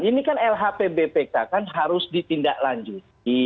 ini kan lhpbpk kan harus ditindaklanjuti